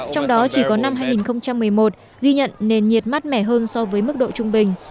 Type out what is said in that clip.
trong đó chỉ có năm hai nghìn một mươi một ghi nhận nền nhiệt mát mẻ hơn so với mức độ trung bình